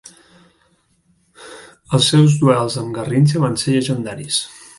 Els seus duels amb Garrincha van ser llegendaris.